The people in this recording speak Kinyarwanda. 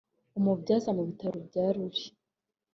umubyaza mu bitaro bya Ruli